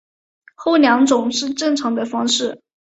后两种是正常的方式。